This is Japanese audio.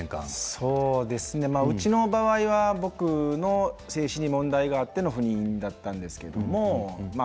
そうですねうちの場合は、僕の精子に問題があっての不妊だったんですけれども。